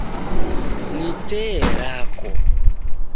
Ni tee rako.